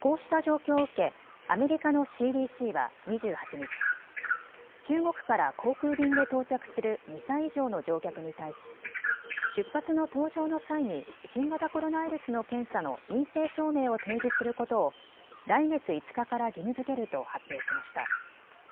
こうした状況を受け、アメリカのＣＤＣは２８日、中国から航空便で到着する２歳以上の乗客に対し出発の搭乗の際に新型コロナウイルスの検査の陰性証明を提示することを来月５日から義務づけると発表しました。